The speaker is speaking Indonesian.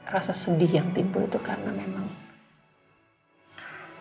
rasa sedih yang timbul itu karena memang